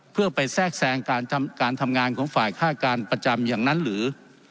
เพื่อไปแทรกแทรงการทำงานของฝ่ายค่าการประจำอย่างนั้นหรือ